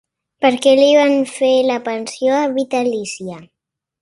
Per què li van fer la pensió vitalícia?